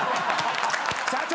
社長！